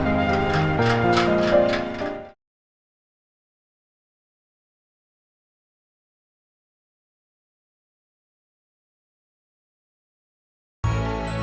oh iya bukain